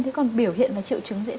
thế còn biểu hiện và triệu chứng dễ thương